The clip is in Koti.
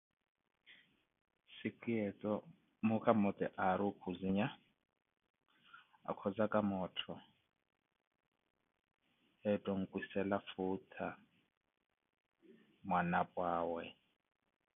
Sikhu yeeto, muukha mmote aari okhuzinya, akhozaka moottho etta onkwisela futha mwanapwa awe.